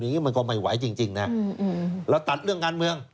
อย่างนี้มันก็ไม่ไหวจริงนะเราตัดเรื่องการเมือง